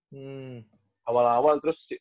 hmm awal awal terus